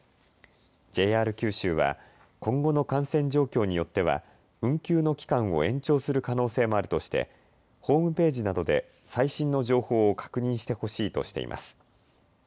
ＪＲ九州は今後の感染状況によっては運休の期間を延長する可能性もあるとしてホームページなどで最新の情報を確認してほしいとしています。